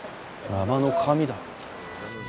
“山の神”だ。